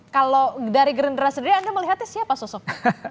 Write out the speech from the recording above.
kalau dari gerindra sendiri anda melihatnya siapa sosok